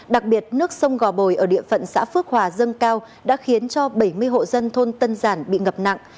đặc biệt nước sông gò bồi ở địa phận xã phước hòa dâng cao đã khiến cho bảy mươi hộ dân thôn tân giản bị ngập nặng